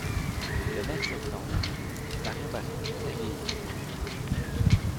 Le maire sortant, Marion Barry est réélu.